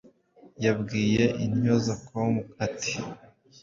yabwiye intyozacom ati